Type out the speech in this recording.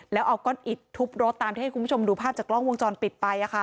แล้วเอาก้อนอิดทุบรถตามที่ให้คุณผู้ชมดูภาพจากกล้องวงจรปิดไป